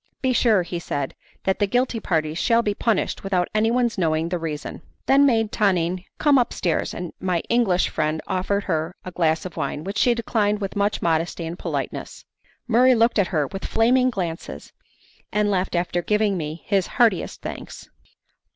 "Be sure," said he, "that the guilty parties shall be punished without anyone's knowing the reason" I then made Tonine come upstairs, and my English friend offered her a glass of wine, which she declined with much modesty and politeness. Murray looked at her with flaming glances, and left after giving me his heartiest thanks.